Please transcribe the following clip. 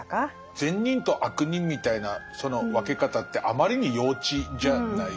善人と悪人みたいなその分け方ってあまりに幼稚じゃないですか。